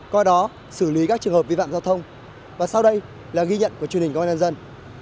coi đó xử lý các trường hợp vi phạm giao thông và sau đây là ghi nhận của truyền hình công an nhân dân